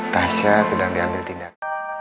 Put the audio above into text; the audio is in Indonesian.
tasya sedang diambil tindak